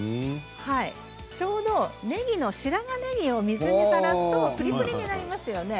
ちょうどねぎの白髪ねぎを水にさらすとプリプリになりますよね。